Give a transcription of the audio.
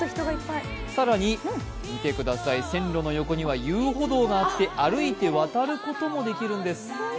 更に、線路の横には遊歩道があって歩いて渡ることもできるんです。